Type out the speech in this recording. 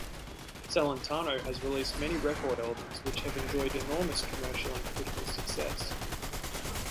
Celentano has released many record albums which have enjoyed enormous commercial and critical success.